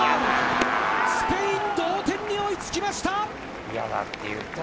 スペイン同点に追いつきました！